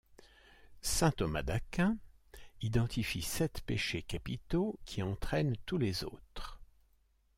Saint Thomas d'Aquin identifie sept péchés capitaux qui entraînent tous les autres.